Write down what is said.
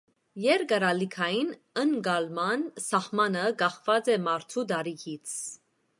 Երկարալիքային ընկալման սահմանը կախված է մարդու տարիքից։